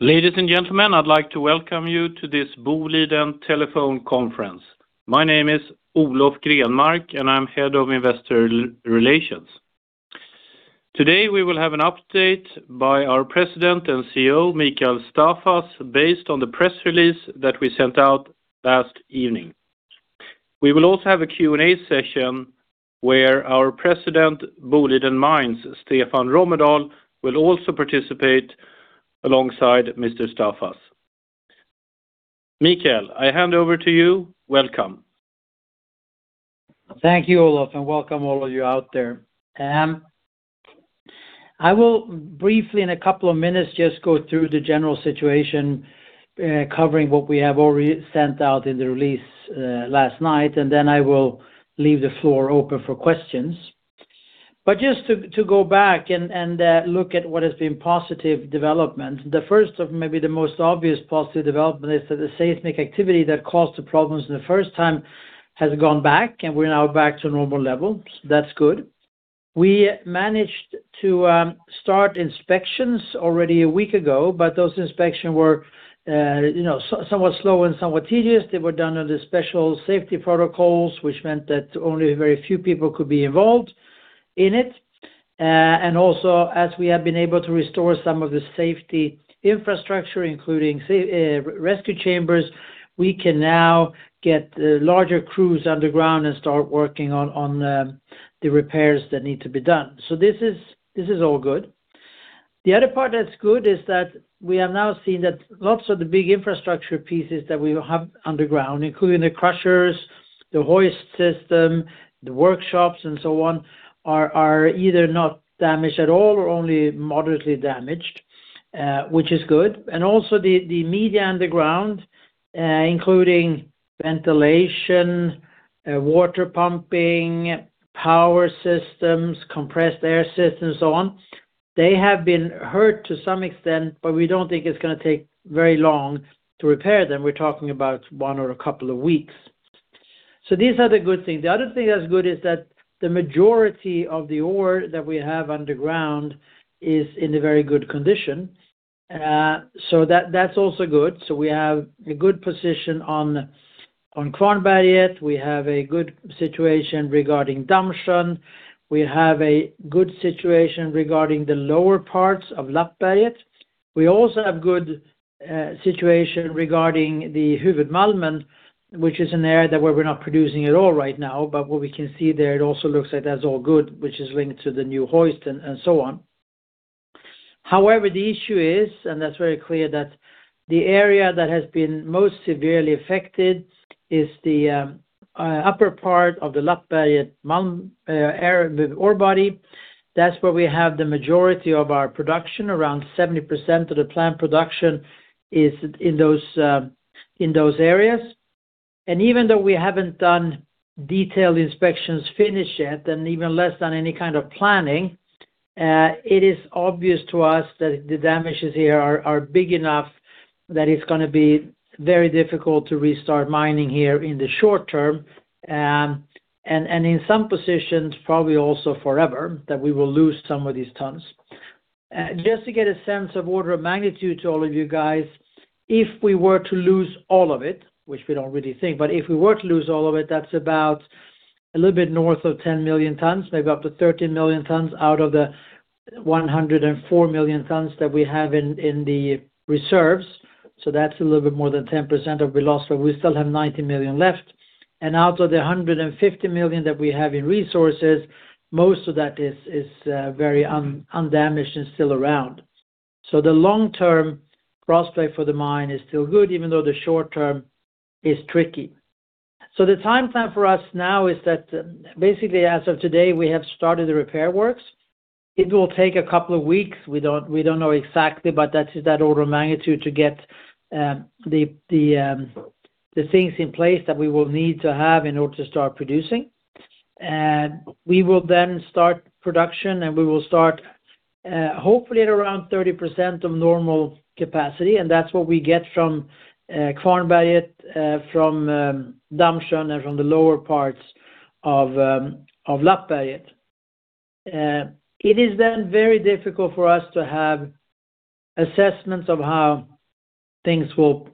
Ladies and gentlemen, I'd like to welcome you to this Boliden telephone conference. My name is Olof Grenmark, and I'm Head of Investor Relations. Today, we will have an update by our President and CEO, Mikael Staffas, based on the press release that we sent out last evening. We will also have a Q&A session where our President, Boliden Mines, Stefan Romedahl, will also participate alongside Mr. Staffas. Mikael, I hand over to you. Welcome. Thank you, Olof, and welcome all of you out there. I will briefly in a couple of minutes, just go through the general situation, covering what we have already sent out in the release, last night, and then I will leave the floor open for questions. Just to go back and look at what has been positive development, the first of maybe the most obvious positive development is that the seismic activity that caused the problems in the first time has gone back, and we're now back to normal levels. That's good. We managed to start inspections already a week ago, but those inspections were, you know, somewhat slow and somewhat tedious. They were done under the special safety protocols, which meant that only very few people could be involved in it. As we have been able to restore some of the safety infrastructure, including rescue chambers, we can now get the larger crews underground and start working on the repairs that need to be done. This is all good. The other part that's good is that we have now seen that lots of the big infrastructure pieces that we have underground, including the crushers, the hoist system, the workshops, and so on, are either not damaged at all or only moderately damaged, which is good. The media underground, including ventilation, water pumping, power systems, compressed air systems and so on, have been hurt to some extent, but we don't think it's gonna take very long to repair them. We're talking about one or a couple of weeks. These are the good things. The other thing that's good is that the majority of the ore that we have underground is in a very good condition. That's also good. We have a good position on Kvarnberget. We have a good situation regarding Dammsjön. We have a good situation regarding the lower parts of Lappberget. We also have good situation regarding the Huvudmalmen, which is an area where we're not producing at all right now. What we can see there, it also looks like that's all good, which is linked to the new hoist and so on. However, the issue is, and that's very clear, that the area that has been most severely affected is the upper part of the Lappberget ore body. That's where we have the majority of our production. Around 70% of the plant production is in those areas. Even though we haven't done detailed inspections finished yet and even less than any kind of planning, it is obvious to us that the damages here are big enough that it's gonna be very difficult to restart mining here in the short term, and in some positions probably also forever that we will lose some of these tons. Just to get a sense of order of magnitude to all of you guys, if we were to lose all of it, which we don't really think, but if we were to lose all of it, that's about a little bit north of 10 million tons, maybe up to 13 million tons out of the 104 million tons that we have in the reserves. That's a little bit more than 10% of the loss, but we still have 90 million left. Out of the 150 million that we have in resources, most of that is very undamaged and still around. The long-term prospect for the mine is still good even though the short term is tricky. The time frame for us now is that basically as of today, we have started the repair works. It will take a couple of weeks. We don't know exactly, but that's that order of magnitude to get the things in place that we will need to have in order to start producing. We will then start production, and we will start hopefully at around 30% of normal capacity, and that's what we get from Kvarnberget, from Dammsjön and from the lower parts of Lappberget. It is then very difficult for us to have assessments of how things will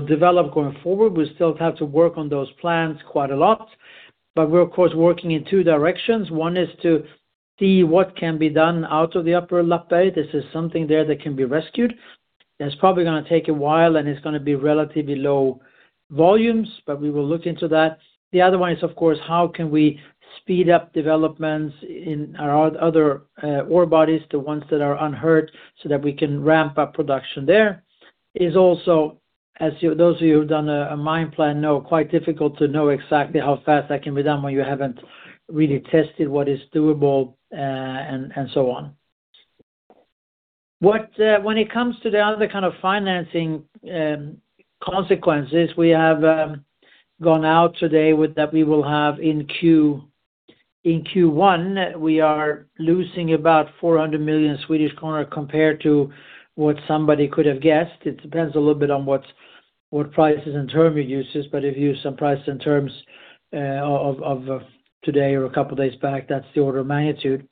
develop going forward. We still have to work on those plans quite a lot, but we're of course working in two directions. One is to see what can be done out of the upper Lappberget. This is something there that can be rescued. That's probably gonna take a while, and it's gonna be relatively low volumes, but we will look into that. The other one is, of course, how can we speed up developments in our other ore bodies, the ones that are unhurt, so that we can ramp up production there. It's also, as you those of you who've done a mine plan know it's quite difficult to know exactly how fast that can be done when you haven't really tested what is doable, and so on. When it comes to the other kind of financing consequences, we have gone out today with that we will have in Q1, we are losing about 400 million Swedish kronor compared to what somebody could have guessed. It depends a little bit on what prices and terms we use, but if you use some prices and terms as of today or a couple of days back, that's the order of magnitude.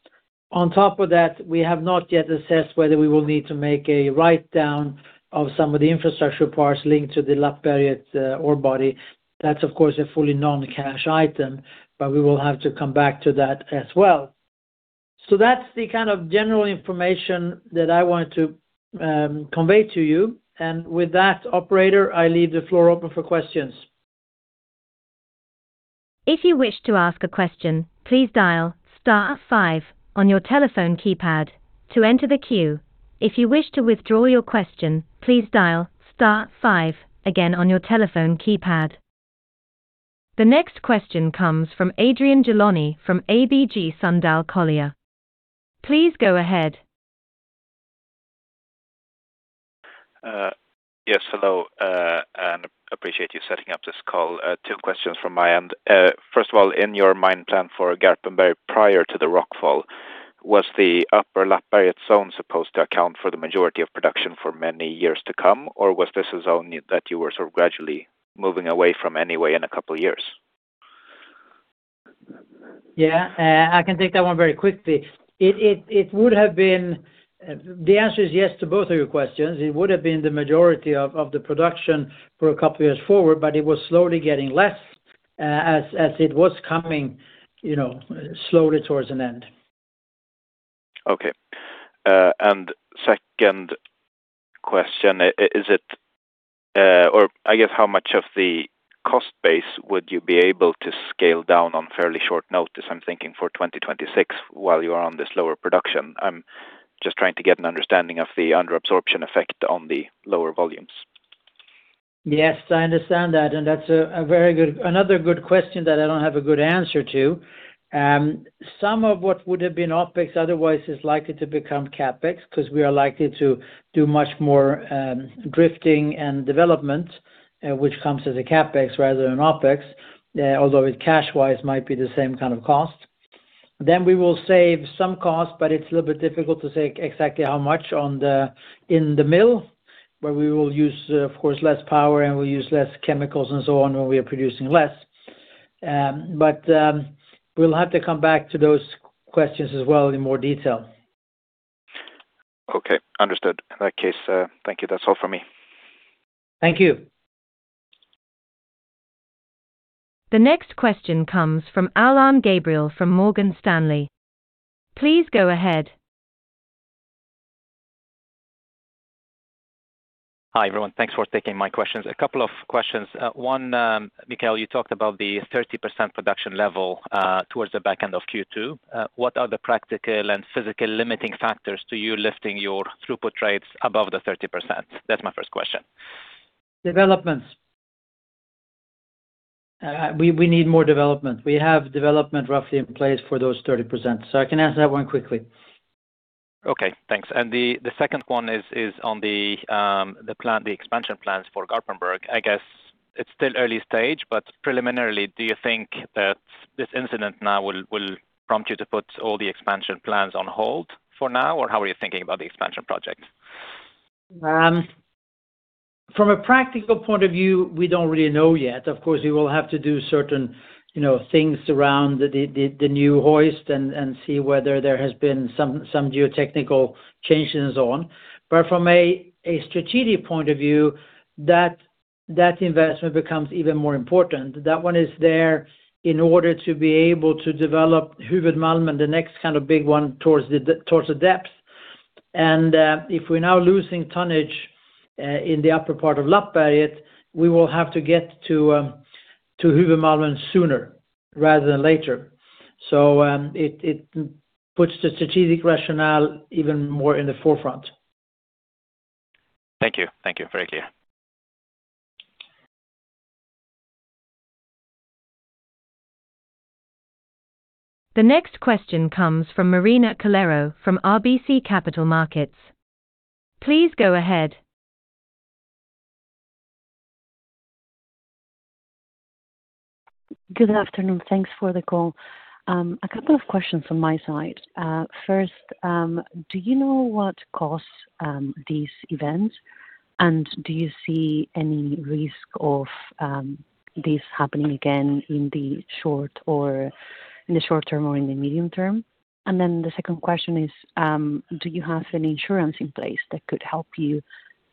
On top of that, we have not yet assessed whether we will need to make a write-down of some of the infrastructure parts linked to the Lappberget ore body. That's, of course, a fully non-cash item, but we will have to come back to that as well. That's the kind of general information that I wanted to convey to you. With that, operator, I leave the floor open for questions. If you wish to ask a question, please dial star five on your telephone keypad to enter the queue. If you wish to withdraw your question, please dial star five again on your telephone keypad. The next question comes from Adrian Gilani from ABG Sundal Collier. Please go ahead. Yes, hello. I appreciate you setting up this call. Two questions from my end. First of all, in your mine plan for Garpenberg prior to the rock fall, was the upper Lappberget zone supposed to account for the majority of production for many years to come, or was this a zone that you were sort of gradually moving away from anyway in a couple of years? Yeah, I can take that one very quickly. The answer is yes to both of your questions. It would have been the majority of the production for a couple of years forward, but it was slowly getting less as it was coming, you know, slowly towards an end. Second question, or I guess how much of the cost base would you be able to scale down on fairly short notice? As I'm thinking for 2026 while you are on this lower production. I'm just trying to get an understanding of the under absorption effect on the lower volumes. Yes, I understand that. That's another good question that I don't have a good answer to. Some of what would have been OpEx otherwise is likely to become CapEx because we are likely to do much more drifting and development, which comes as a CapEx rather than OpEx, although it cash-wise might be the same kind of cost. We will save some cost, but it's a little bit difficult to say exactly how much in the mill, where we will use, of course, less power and we use less chemicals and so on when we are producing less. We'll have to come back to those questions as well in more detail. Okay. Understood. In that case, thank you. That's all for me. Thank you. The next question comes from Alain Gabriel from Morgan Stanley. Please go ahead. Hi, everyone. Thanks for taking my questions. A couple of questions. One, Mikael, you talked about the 30% production level, towards the back end of Q2. What are the practical and physical limiting factors to you lifting your throughput rates above the 30%? That's my first question. Developments. We need more development. We have development roughly in place for those 30%. I can answer that one quickly. Okay, thanks. The second one is on the expansion plans for Garpenberg. I guess it's still early stage, but preliminarily, do you think that this incident now will prompt you to put all the expansion plans on hold for now, or how are you thinking about the expansion project? From a practical point of view, we don't really know yet. Of course, we will have to do certain, you know, things around the new hoist and see whether there has been some geotechnical changes on. From a strategic point of view, that investment becomes even more important. That one is there in order to be able to develop Huvudmalmen, the next kind of big one towards the depth. If we're now losing tonnage in the upper part of Lappberget, we will have to get to Huvudmalmen sooner rather than later. It puts the strategic rationale even more in the forefront. Thank you. Thank you. Very clear. The next question comes from Marina Calero from RBC Capital Markets. Please go ahead. Good afternoon. Thanks for the call. A couple of questions from my side. First, do you know what caused this event? Do you see any risk of this happening again in the short term or in the medium term? The second question is, do you have any insurance in place that could help you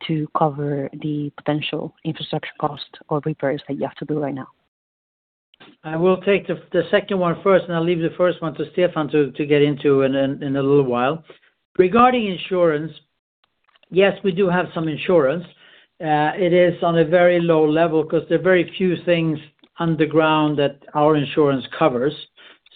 to cover the potential infrastructure cost or repairs that you have to do right now? I will take the second one first, and I'll leave the first one to Stefan to get into in a little while. Regarding insurance, yes, we do have some insurance. It is on a very low level because there are very few things underground that our insurance covers.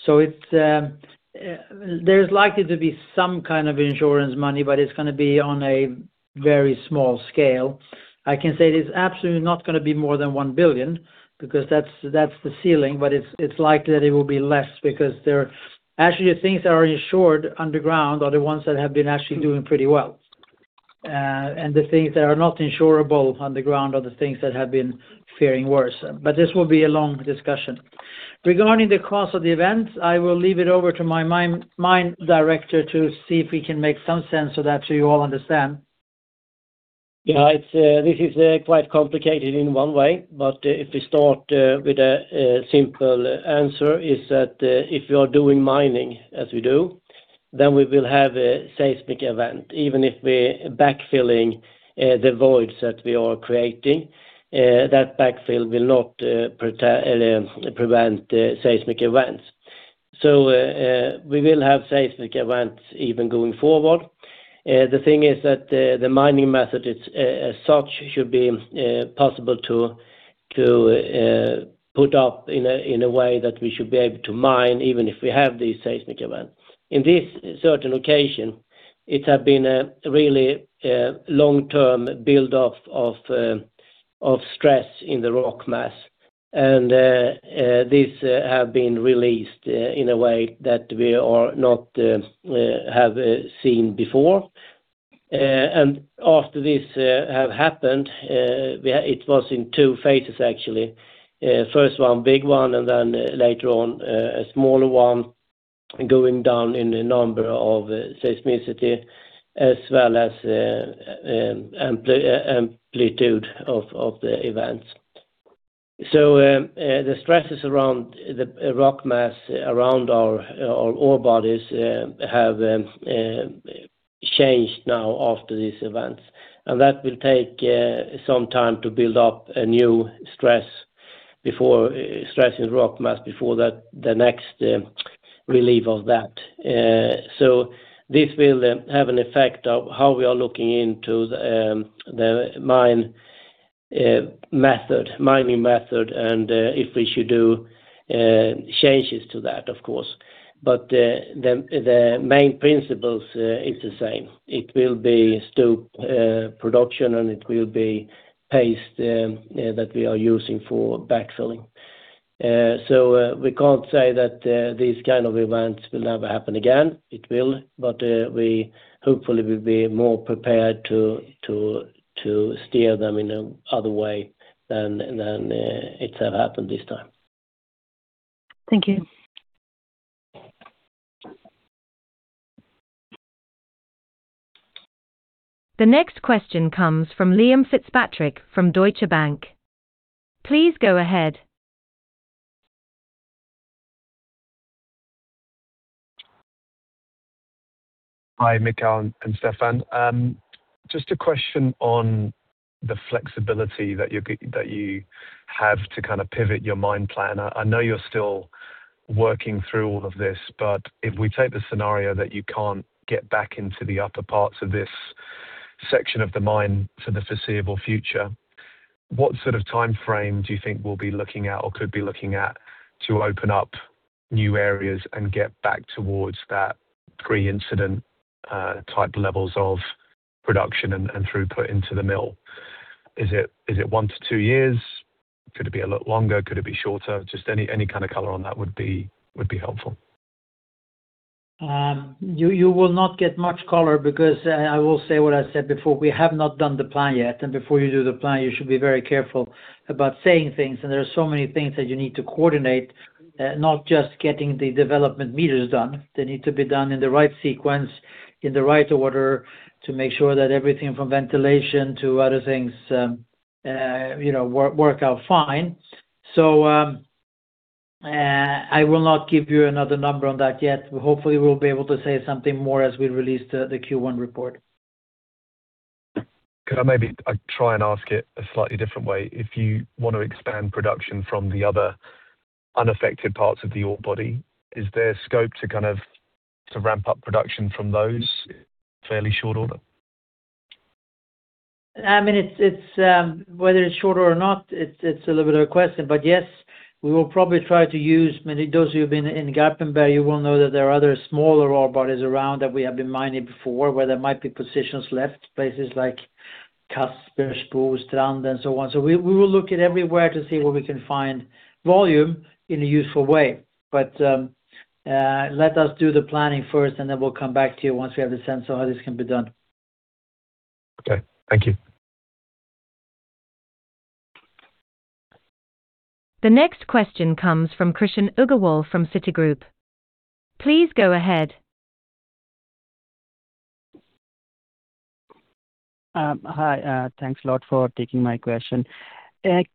So it's, there's likely to be some kind of insurance money, but it's gonna be on a very small scale. I can say it is absolutely not gonna be more than 1 billion because that's the ceiling, but it's likely that it will be less because there are actually things that are insured underground are the ones that have been actually doing pretty well. The things that are not insurable underground are the things that have been faring worse. This will be a long discussion. Regarding the cause of the event, I will leave it over to my mine director to see if he can make some sense so that you all understand. This is quite complicated in one way, but if we start with the simple answer is that if you are doing mining as we do, then we will have a seismic event. Even if we're backfilling the voids that we are creating, that backfill will not prevent seismic events. We will have seismic events even going forward. The thing is that the mining method is, as such, should be possible to put up in a way that we should be able to mine, even if we have these seismic events. In this certain occasion, it had been a really long-term build-up of stress in the rock mass, and this have been released in a way that we are not have seen before. After this have happened, it was in two phases actually. First one, big one, and then later on, a smaller one going down in the number of seismicity as well as amplitude of the events. The stresses around the rock mass around our ore bodies have changed now after these events. That will take some time to build up a new stress in rock mass before the next relief of that. This will have an effect of how we are looking into the mining method and if we should do changes to that, of course. The main principles it's the same. It will be stope production and it will be paste that we are using for backfilling. We can't say that these kind of events will never happen again. It will, but we hopefully will be more prepared to steer them in another way than it have happened this time. Thank you. The next question comes from Liam Fitzpatrick from Deutsche Bank. Please go ahead. Hi Mikael and Stefan. Just a question on the flexibility that you have to kind of pivot your mine plan. I know you're still working through all of this, but if we take the scenario that you can't get back into the upper parts of this section of the mine for the foreseeable future, what sort of timeframe do you think we'll be looking at or could be looking at to open up new areas and get back towards that pre-incident type levels of production and throughput into the mill? Is it one to two years? Could it be a lot longer? Could it be shorter? Just any kind of color on that would be helpful. You will not get much color because I will say what I said before, we have not done the plan yet. Before you do the plan, you should be very careful about saying things. There are so many things that you need to coordinate, not just getting the development meters done. They need to be done in the right sequence, in the right order to make sure that everything from ventilation to other things, you know, work out fine. I will not give you another number on that yet. Hopefully, we'll be able to say something more as we release the Q1 report. Could I maybe try and ask it a slightly different way? If you want to expand production from the other unaffected parts of the ore body, is there scope to kind of to ramp up production from those fairly short order? I mean, it's whether it's short or not, it's a little bit of a question. Yes, those who've been in Garpenberg, you will know that there are other smaller ore bodies around that we have been mining before, where there might be positions left, places like Kaskasvare, Renström and so on. We will look everywhere to see where we can find volume in a useful way. Let us do the planning first, and then we'll come back to you once we have the sense of how this can be done. Okay. Thank you. The next question comes from Krishan Agarwal from Citigroup. Please go ahead. Hi. Thanks a lot for taking my question.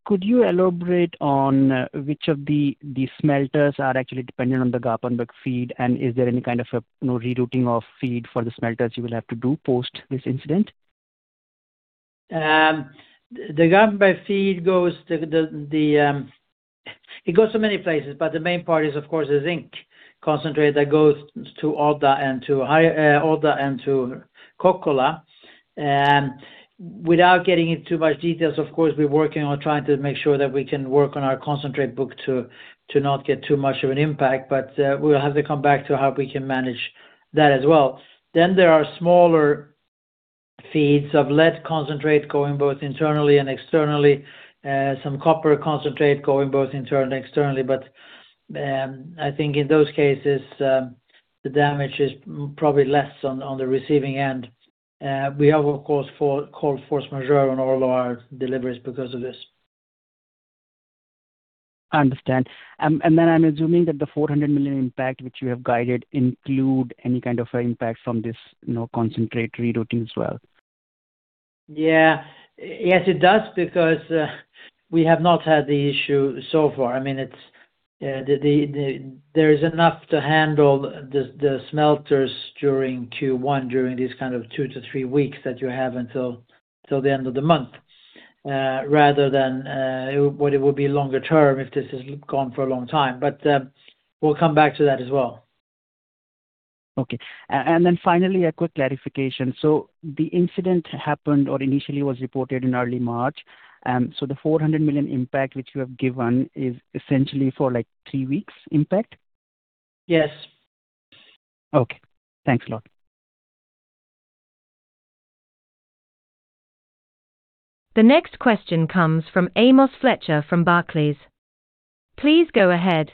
Could you elaborate on which of the smelters are actually dependent on the Garpenberg feed? And is there any kind of a, you know, rerouting of feed for the smelters you will have to do post this incident? The Garpenberg feed goes to many places, but the main part is, of course, the zinc concentrate that goes to Odda and to Kokkola. Without getting into too much details, of course, we're working on trying to make sure that we can work on our concentrate book to not get too much of an impact. We'll have to come back to how we can manage that as well. There are smaller feeds of lead concentrate going both internally and externally. Some copper concentrate going both internally and externally. I think in those cases, the damage is probably less on the receiving end. We have, of course, declared force majeure on all our deliveries because of this. I understand. I'm assuming that the 400 million impact which you have guided include any kind of impact from this, you know, concentrate rerouting as well. Yeah. Yes, it does because we have not had the issue so far. I mean, it's. There is enough to handle the smelters during Q1 during these kind of two to three weeks that you have until the end of the month, rather than what it would be longer term if this has gone for a long time. We'll come back to that as well. Okay. Then finally, a quick clarification. The incident happened or initially was reported in early March. The 400 million impact, which you have given is essentially for like three weeks impact? Yes. Okay. Thanks a lot. The next question comes from Amos Fletcher from Barclays. Please go ahead.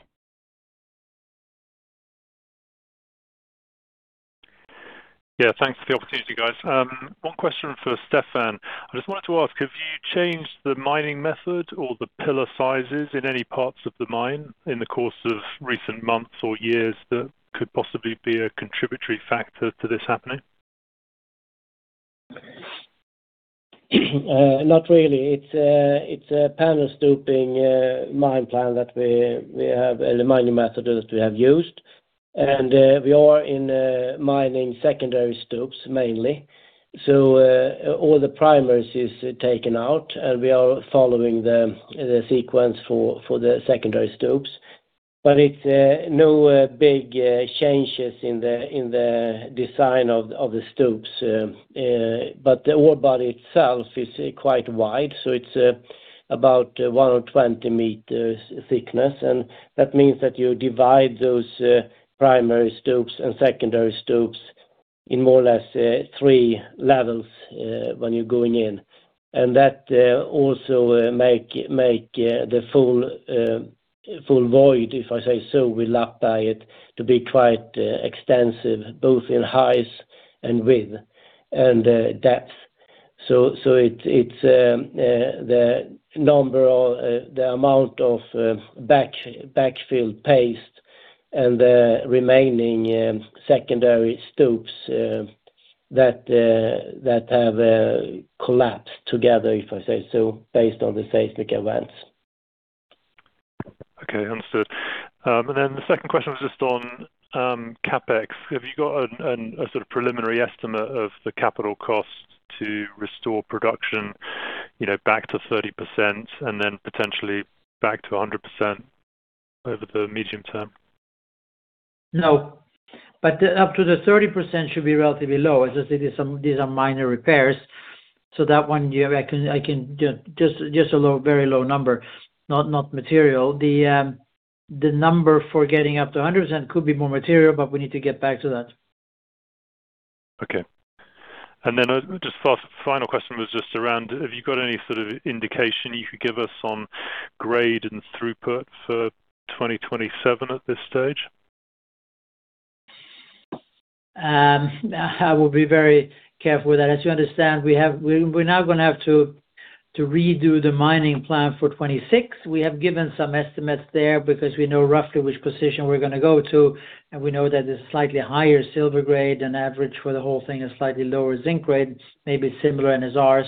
Yeah, thanks for the opportunity, guys. One question for Stefan. I just wanted to ask, have you changed the mining method or the pillar sizes in any parts of the mine in the course of recent months or years that could possibly be a contributory factor to this happening? Not really. It's a panel stoping mine plan that we have and the mining method that we have used. We are mining secondary stopes mainly. All the primaries is taken out, and we are following the sequence for the secondary stopes. It's no big changes in the design of the stopes. The ore body itself is quite wide, so it's about 120 meters thickness. That means that you divide those primary stopes and secondary stopes in more or less three levels when you're going in. That also make the full void, if I say so, we leave behind to be quite extensive, both in heights and width and depth. It's the number or the amount of backfill paste and the remaining secondary stopes that have collapsed together, if I say so, based on the seismic events. Okay. Understood. The second question was just on CapEx. Have you got a sort of preliminary estimate of the capital cost to restore production, you know, back to 30% and then potentially back to 100% over the medium term? No. Up to the 30% should be relatively low. As I said, these are minor repairs. That one year I can just a low, very low number, not material. The number for getting up to a 100% could be more material, but we need to get back to that. Okay. Then just last final question was just around, have you got any sort of indication you could give us on grade and throughput for 2027 at this stage? I will be very careful with that. As you understand, we're now gonna have to redo the mining plan for 2026. We have given some estimates there because we know roughly which position we're gonna go to, and we know that it's slightly higher silver grade and average for the whole thing is slightly lower zinc grade, maybe similar in lead as ours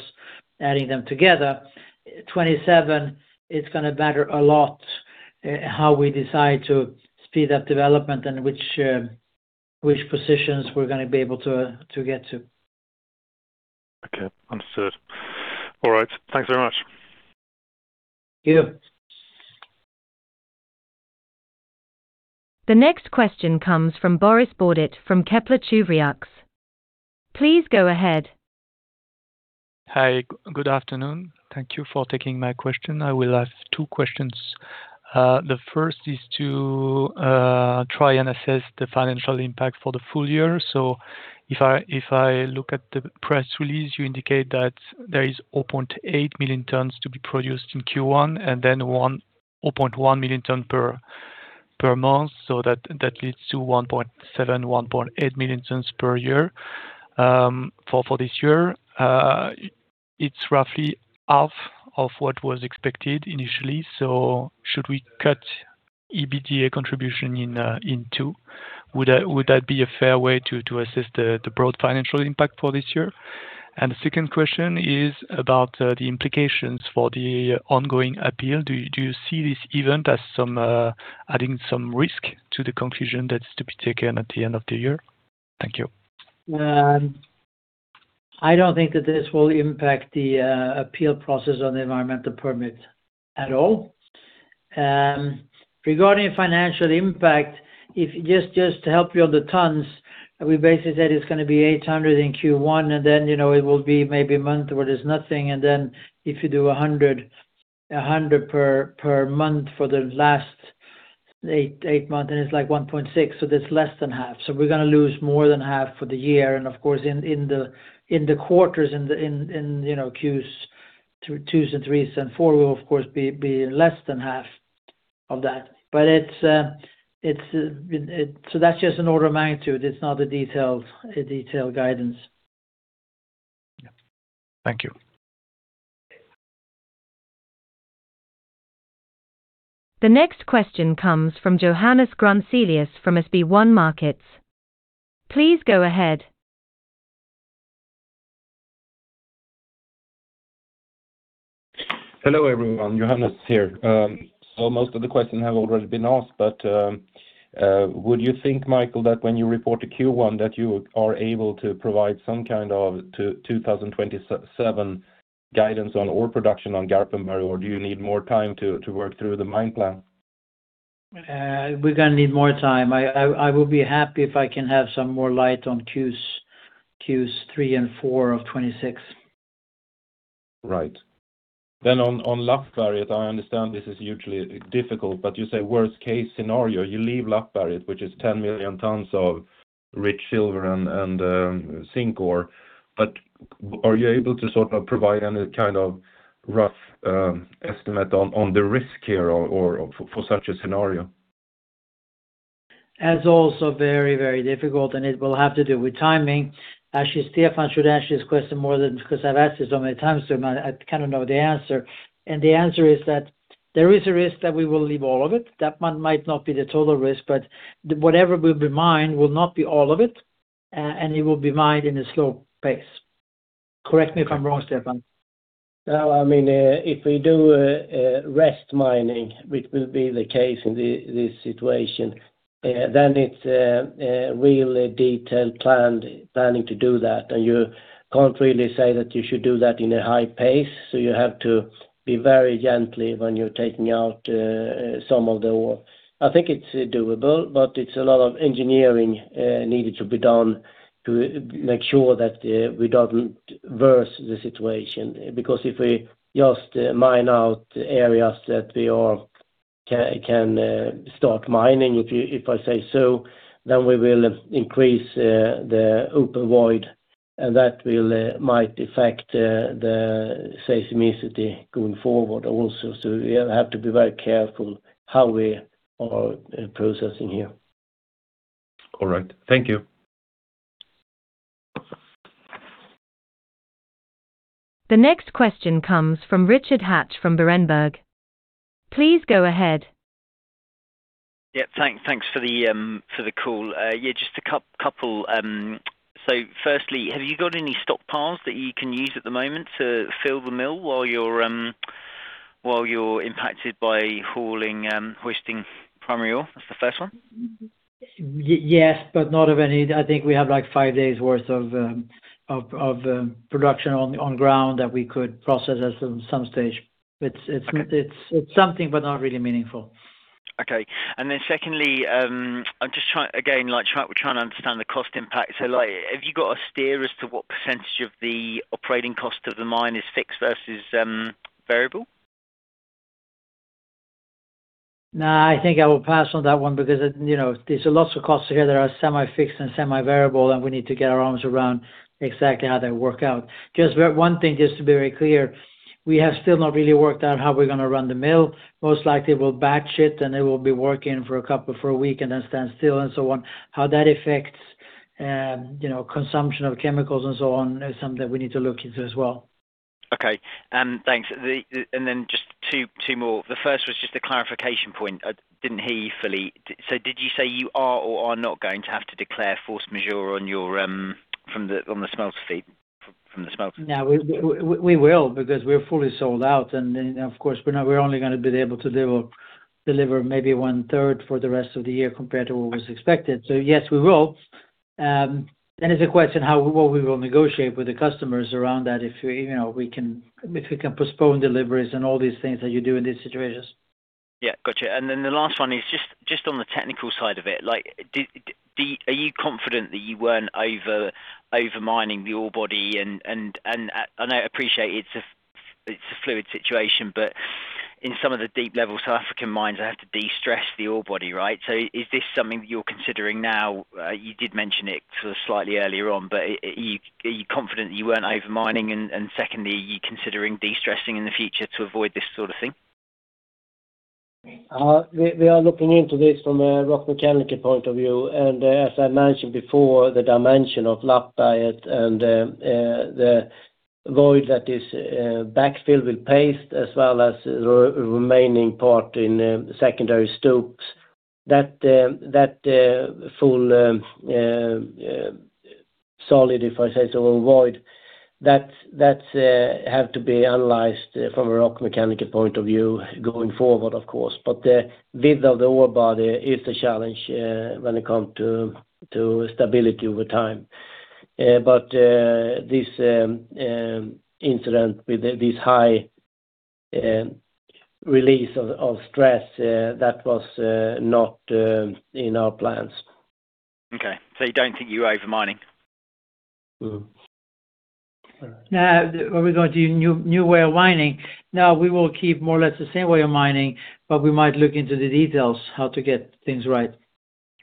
adding them together. 2027, it's gonna matter a lot how we decide to speed up development and which positions we're gonna be able to get to. Okay. Understood. All right. Thanks very much. Thank you. The next question comes from Boris Bourdet from Kepler Cheuvreux. Please go ahead. Hi. Good afternoon. Thank you for taking my question. I will ask two questions. The first is to try and assess the financial impact for the full-year. If I look at the press release, you indicate that there is 0.8 million tons to be produced in Q1 and then 0.1 million ton per month. That leads to 1.7, 1.8 million tons per year for this year. It's roughly half of what was expected initially. Should we cut EBITDA contribution in two? Would that be a fair way to assess the broad financial impact for this year? The second question is about the implications for the ongoing appeal. Do you see this event as adding some risk to the decision that's to be taken at the end of the year? Thank you. I don't think that this will impact the appeal process on the environmental permit at all. Regarding financial impact, if just to help you on the tons, we basically said it's gonna be 800 in Q1, and then, you know, it will be maybe a month where there's nothing. Then if you do 100 per month for the last eight months, and it's like 1.6, so that's less than half. We're gonna lose more than half for the year. Of course, in the quarters, you know, Q2, 2s and 3s and 4s will of course be less than half of that. It's so that's just an order of magnitude. It's not a detailed guidance. Yeah. Thank you. The next question comes from Johannes Grunselius from SB1 Markets. Please go ahead. Hello, everyone. Johannes here. So most of the questions have already been asked, but would you think, Mikael, that when you report to Q1 that you are able to provide some kind of 2027 guidance on ore production on Garpenberg? Or do you need more time to work through the mine plan? We're gonna need more time. I will be happy if I can have some more light on Q3 and Q4 of 2026. Right. On Lappberget, I understand this is usually difficult, but you say worst case scenario, you leave Lappberget, which is 10 million tons of rich silver and zinc ore. But are you able to sort of provide any kind of rough estimate on the risk here or for such a scenario? That's also very, very difficult, and it will have to do with timing. Actually, Stefan should answer this question more than me, because I've asked this so many times to him, I kind of know the answer. The answer is that there is a risk that we will leave all of it. That one might not be the total risk, but whatever will be mined will not be all of it, and it will be mined in a slow pace. Correct me if I'm wrong, Stefan. No, I mean, if we do remnant mining, which will be the case in this situation, then it's really detailed planning to do that. You can't really say that you should do that in a high pace. You have to be very gentle when you're taking out some of the ore. I think it's doable, but it's a lot of engineering needed to be done to make sure that we don't worsen the situation. Because if we just mine out areas that we can start mining, if I say so, then we will increase the open void, and that might affect the seismicity going forward also. We have to be very careful how we are proceeding here. All right. Thank you. The next question comes from Richard Hatch from Berenberg. Please go ahead. Yeah. Thanks for the call. Yeah, just a couple. Firstly, have you got any stockpiles that you can use at the moment to fill the mill while you're impacted by hauling, hoisting primary ore? That's the first one. I think we have, like, five days worth of production on ground that we could process at some stage. Okay. It's something but not really meaningful. Okay. I'm just trying again, like, we're trying to understand the cost impact. Like, have you got a steer as to what percentage of the operating cost of the mine is fixed versus variable? No, I think I will pass on that one because, you know, there's lots of costs here that are semi-fixed and semi-variable, and we need to get our arms around exactly how they work out. Just one thing, just to be very clear, we have still not really worked out how we're gonna run the mill. Most likely, we'll batch it, and it will be working for a week and then stand still and so on. How that affects, you know, consumption of chemicals and so on is something that we need to look into as well. Okay, thanks. Just two more. The first was just a clarification point. I didn't hear you fully. Did you say you are or are not going to have to declare force majeure on the smelter feed from the smelter? No, we will because we're fully sold out. Of course, we're only going to be able to deliver maybe one-third for the rest of the year compared to what was expected. Yes, we will. It's a question what we will negotiate with the customers around that if we, you know, if we can postpone deliveries and all these things that you do in these situations. Yeah. Got you. The last one is just on the technical side of it. Like, are you confident that you weren't over-mining the ore body? I appreciate it's a fluid situation, but in some of the deep levels African mines have to de-stress the ore body, right? Is this something that you're considering now? You did mention it sort of slightly earlier on, but are you confident you weren't over-mining? Secondly, are you considering de-stressing in the future to avoid this sort of thing? We are looking into this from a rock mechanics point of view. As I mentioned before, the dimension of Lappberget and the void that is backfilled with paste as well as remaining part in secondary stopes that full solid, if I say so, or void, have to be analyzed from a rock mechanics point of view going forward, of course. The width of the ore body is the challenge when it comes to stability over time. This incident with this high release of stress that was not in our plans. Okay. You don't think you were over-mining? Mm-hmm. Now, are we going to a new way of mining? No, we will keep more or less the same way of mining, but we might look into the details how to get things right.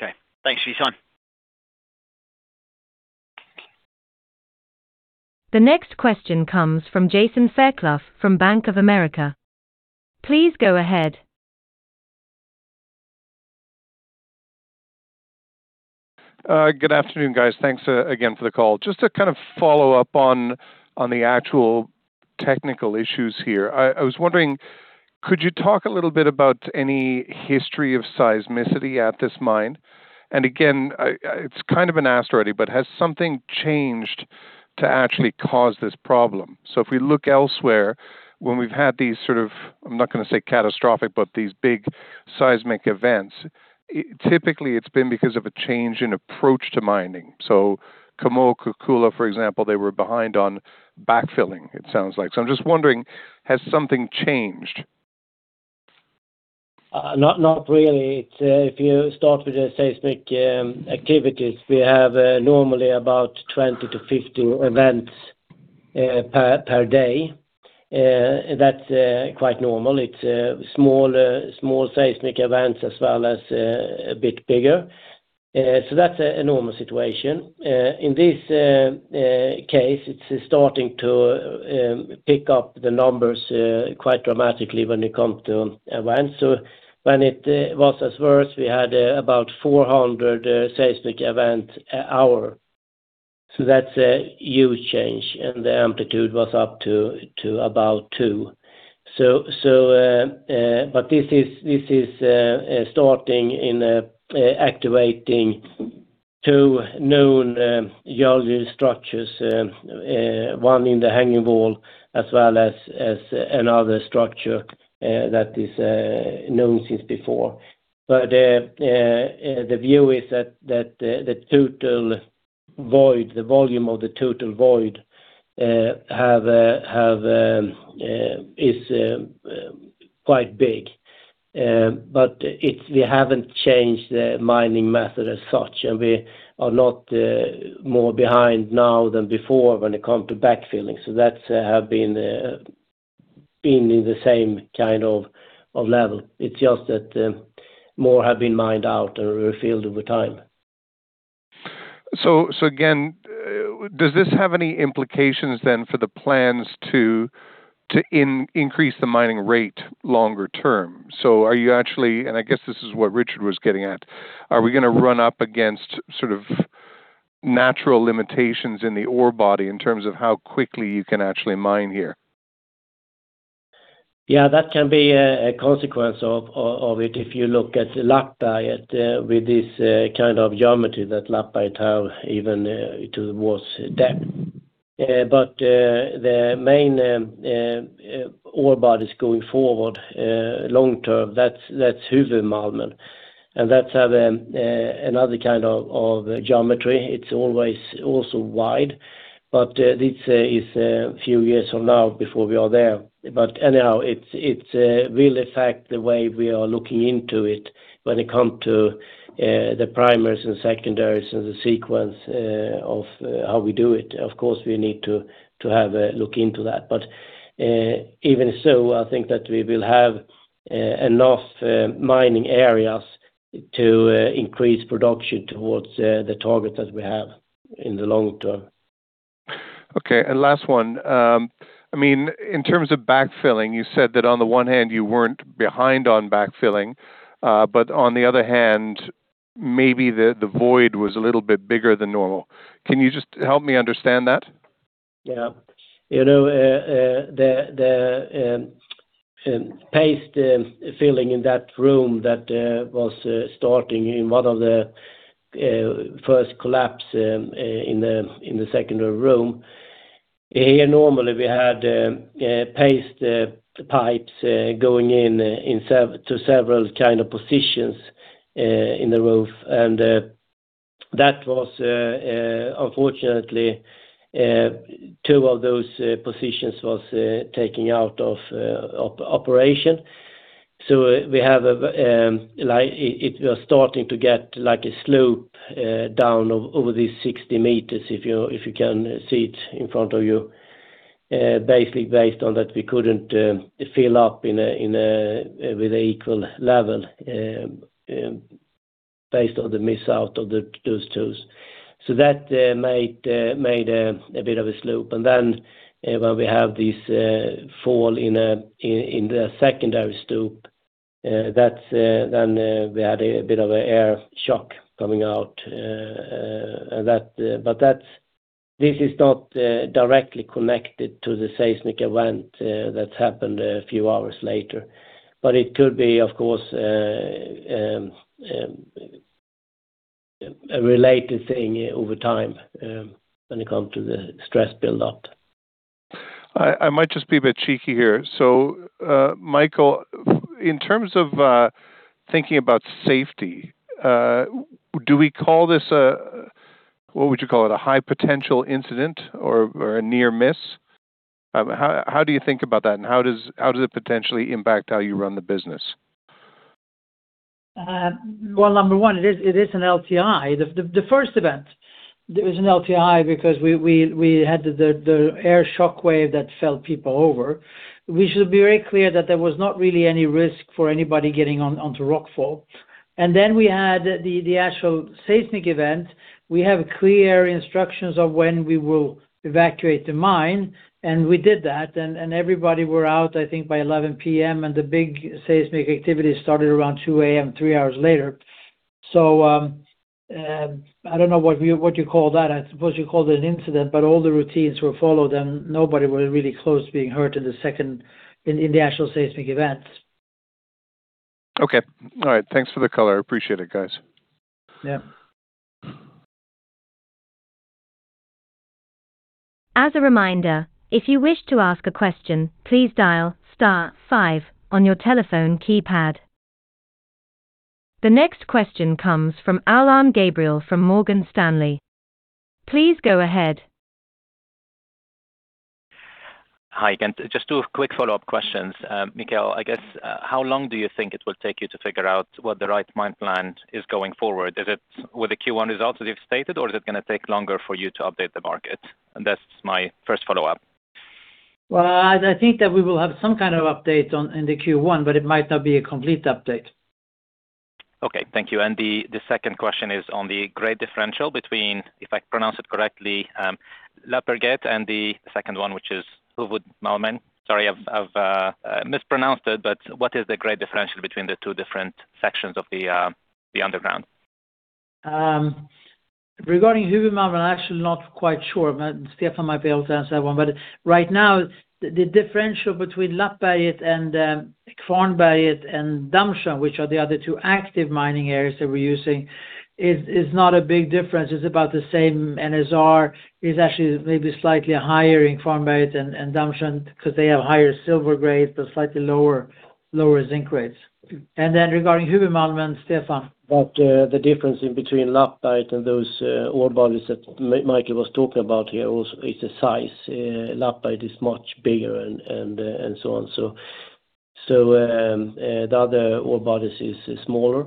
Okay. Thanks for your time. The next question comes from Jason Fairclough from Bank of America. Please go ahead. Good afternoon, guys. Thanks again for the call. Just to kind of follow up on the actual technical issues here. I was wondering, could you talk a little bit about any history of seismicity at this mine? Again, it's kind of been asked already, but has something changed to actually cause this problem? If we look elsewhere when we've had these sort of, I'm not gonna say catastrophic, but these big seismic events, typically it's been because of a change in approach to mining. Kamoa-Kakula, for example, they were behind on backfilling, it sounds like. I'm just wondering, has something changed? Not really. It's if you start with the seismic activities, we have normally about 20-50 events per day. That's quite normal. It's small seismic events as well as a bit bigger. That's a normal situation. In this case, it's starting to pick up the numbers quite dramatically when it comes to events. When it was at worst, we had about 400 seismic events an hour. That's a huge change, and the amplitude was up to about two. But this is starting to activate two known geological structures, one in the hanging wall as well as another structure that is known since before. The view is that the total void, the volume of the total void, is quite big. We haven't changed the mining method as such, and we are not more behind now than before when it comes to backfilling. That's been in the same kind of level. It's just that more have been mined out or backfilled over time. again, does this have any implications then for the plans to increase the mining rate longer term? Are you actually, and I guess this is what Richard was getting at, gonna run up against sort of natural limitations in the ore body in terms of how quickly you can actually mine here? Yeah, that can be a consequence of it if you look at the Lappberget with this kind of geometry that Lappberget have even towards depth. The main ore bodies going forward long term, that's Huvudmalmen, and that have another kind of geometry. It's always also wide, but this is a few years from now before we are there. Anyhow, it will affect the way we are looking into it when it comes to the primaries and secondaries and the sequence of how we do it. Of course, we need to have a look into that. Even so, I think that we will have enough mining areas to increase production towards the target that we have in the long term. Okay. Last one. I mean, in terms of backfilling, you said that on the one hand you weren't behind on backfilling, but on the other hand, maybe the void was a little bit bigger than normal. Can you just help me understand that? Yeah. You know, the paste filling in that room that was starting in one of the first collapse in the secondary stope. Here, normally we had paste pipes going into several kind of positions in the roof. That was unfortunately two of those positions was taken out of operation. So we have like it was starting to get like a slope down over these 60 meters, if you can see it in front of you. Basically based on that, we couldn't fill up in a with equal level based on the missing of those tools. So that made a bit of a slope. When we have this fall in the secondary stope, that's when we had a bit of an air shock coming out, but that's not directly connected to the seismic event that happened a few hours later. It could be, of course, a related thing over time, when it comes to the stress build-up. I might just be a bit cheeky here. Mikael, in terms of thinking about safety, do we call this a. What would you call it? A high potential incident or a near miss? How do you think about that, and how does it potentially impact how you run the business? Well, number one, it is an LTI. The first event there was an LTI because we had the air shockwave that fell people over. We should be very clear that there was not really any risk for anybody getting onto rockfall. We had the actual seismic event. We have clear instructions of when we will evacuate the mine, and we did that, and everybody were out, I think by 11:00 P.M., and the big seismic activity started around 2:00 A.M., three hours later. I don't know what you call that. I suppose you call it an incident, but all the routines were followed and nobody was really close to being hurt in the actual seismic event. Okay. All right. Thanks for the color. I appreciate it, guys. Yeah. As a reminder, if you wish to ask a question, please dial star five on your telephone keypad. The next question comes from Alain Gabriel from Morgan Stanley. Please go ahead. Hi, again. Just two quick follow-up questions. Mikael, I guess, how long do you think it will take you to figure out what the right mine plan is going forward? Is it with the Q1 results that you've stated or is it gonna take longer for you to update the market? That's my first follow-up. Well, I think that we will have some kind of update on, in the Q1, but it might not be a complete update. Okay, thank you. The second question is on the grade differential between, if I pronounce it correctly, Lappberget and the second one, which is Huvudmalmen. Sorry I've mispronounced it, but what is the grade differential between the two different sections of the underground? Regarding Huvudmalmen, I'm actually not quite sure. Stefan might be able to answer that one. Right now the differential between Lappberget and Kvarnberget and Dammsjön, which are the other two active mining areas that we're using is not a big difference. It's about the same NSR. It's actually maybe slightly higher in Kvarnberget and Dammsjön 'cause they have higher silver grades, but slightly lower zinc grades. Then regarding Huvudmalmen, Stefan. The difference in between Lappberget and those ore bodies that Mikael was talking about here also is the size. Lappberget is much bigger and so on. The other ore bodies is smaller.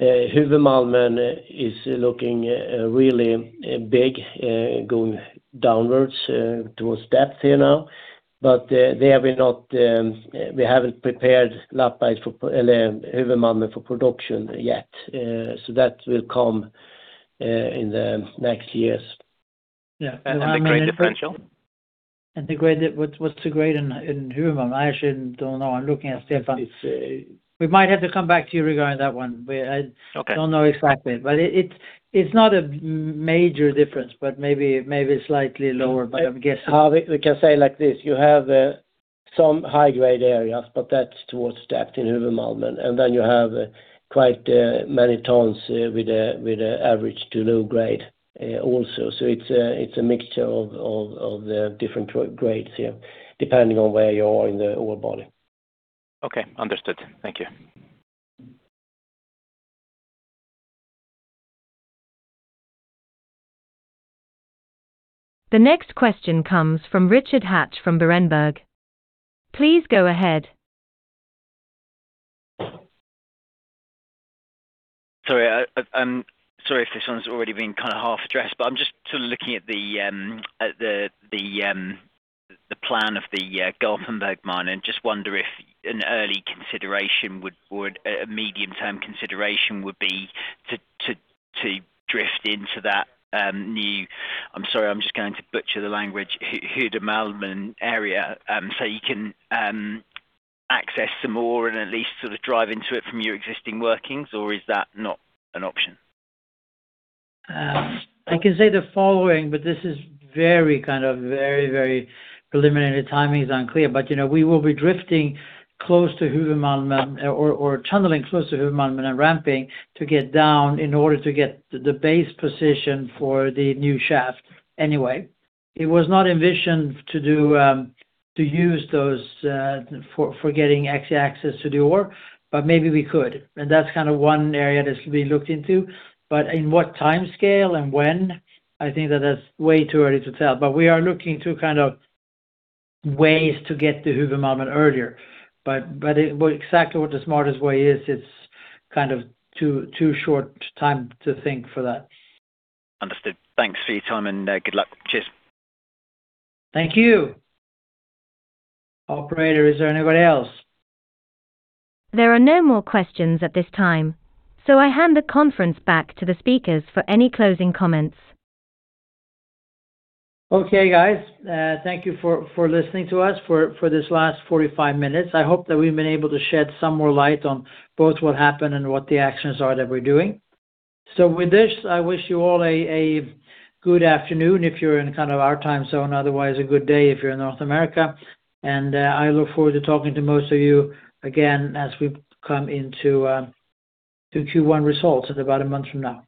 Huvudmalmen is looking really big going downwards towards depth here now. We haven't prepared Huvudmalmen for production yet. That will come in the next years. Yeah. The grade differential? What's the grade in Huvudmalmen? I actually don't know. I'm looking at Stefan. It's, uh- We might have to come back to you regarding that one. Okay. I don't know exactly. It's not a major difference, but maybe slightly lower, but I'm guessing. We can say like this, you have some high-grade areas, but that's towards the depth in Huvudmalmen. Then you have quite many tons with an average to low grade also. It's a mixture of the different grades here, depending on where you are in the ore body. Okay. Understood. Thank you. The next question comes from Richard Hatch from Berenberg. Please go ahead. Sorry. Sorry if this one's already been kinda half addressed, but I'm just sort of looking at the plan of the Garpenberg mine and just wonder if a medium-term consideration would be to drift into that new Huvudmalmen area, so you can access some more and at least sort of drive into it from your existing workings or is that not an option? I can say the following, but this is very, kind of, very preliminary timing is unclear. You know, we will be drifting close to Huvudmalmen or tunneling close to Huvudmalmen and ramping to get down in order to get the base position for the new shaft anyway. It was not envisioned to do to use those for getting access to the ore, but maybe we could. That's kind of one area that's being looked into. In what timescale and when, I think that's way too early to tell. We are looking to kind of ways to get to Huvudmalmen earlier. It what exactly the smartest way is, it's kind of too short time to think for that. Understood. Thanks for your time and good luck. Cheers. Thank you. Operator, is there anybody else? There are no more questions at this time, so I hand the conference back to the speakers for any closing comments. Okay, guys. Thank you for listening to us for this last 45 minutes. I hope that we've been able to shed some more light on both what happened and what the actions are that we're doing. With this, I wish you all a good afternoon if you're in kind of our time zone, otherwise a good day if you're in North America. I look forward to talking to most of you again as we come into Q1 results at about a month from now. Bye-bye.